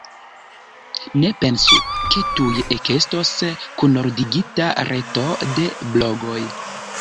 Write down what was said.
Ne pensu, ke tuj ekestos kunordigita reto de blogoj.